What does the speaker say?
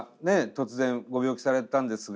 突然ご病気されたんですが。